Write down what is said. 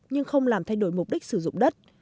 nhưng không làm thay đổi mục đích sử dụng đất